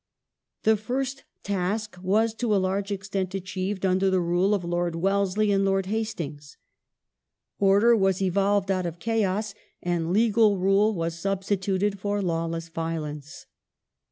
The fii*st task was to a large extent achieved under the i ule of Lord Wellesley and Lord Hastings. Order was evolved out of chaos and legal rule was substituted for lawless violence.